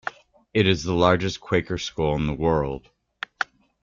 It is the largest Quaker school in the world.